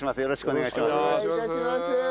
よろしくお願いします。